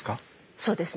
そうですね。